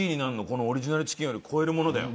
このオリジナルチキンより超えるものだよ。